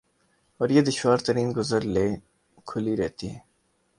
اور یہ دشوار ترین گزر لئے کھلی رہتی ہے ۔